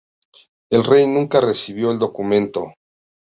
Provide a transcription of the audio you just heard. El rey nunca recibió el documento.